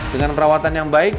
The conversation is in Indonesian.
dengan perawatan yang baik